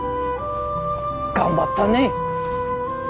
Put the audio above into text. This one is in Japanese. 頑張ったね。